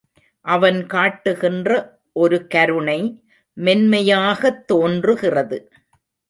அவன் காட்டுகின்ற ஒரு கருணை மென்மையாகத் தோன்றுகிறது.